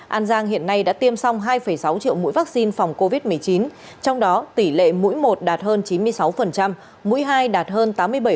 an giang hiện nay đã tiêm xong hai sáu triệu mũi vaccine phòng covid một mươi chín trong đó tỷ lệ mũi một đạt hơn chín mươi sáu mũi hai đạt hơn tám mươi bảy